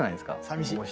さみしい。